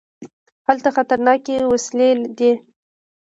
هلته خطرناکې وسلې دي.